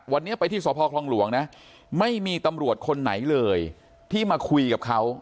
วันนี้ไปที่สพคลองหลวงนะไม่มีตำรวจคนไหนเลยที่มาคุยกับเขา